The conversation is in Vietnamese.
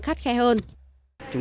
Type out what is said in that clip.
khắt khe hơn